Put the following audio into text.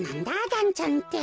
「だんちゃん」って。